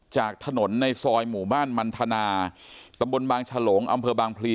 จากถนนในซอยหมู่บ้านมันทนาตำบลบางฉลงอำเภอบางพลี